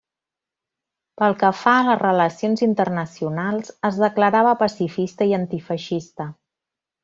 Pel que fa a les relacions internacionals, es declarava pacifista i antifeixista.